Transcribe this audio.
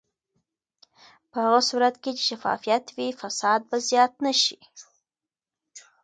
په هغه صورت کې چې شفافیت وي، فساد به زیات نه شي.